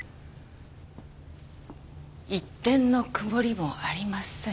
「一点の曇りもありません」。